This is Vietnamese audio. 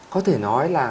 có thể nói là